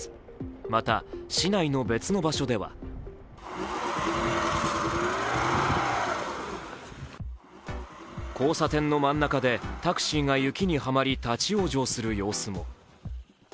また市内の別の場所では交差点の真ん中でタクシーが雪にはまり立ち往生する様子も。